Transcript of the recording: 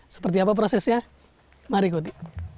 seperti apa prosesnya mari ikuti